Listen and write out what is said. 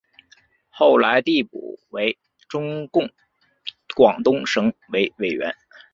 后来递补为中共广东省委委员。